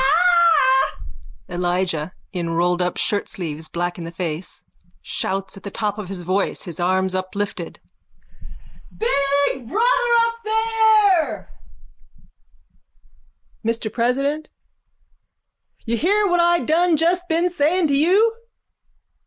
_ Ahhkkk! ELIJAH: (In rolledup shirtsleeves, black in the face, shouts at the top of his voice, his arms uplifted.) Big Brother up there, Mr President, you hear what I done just been saying to you.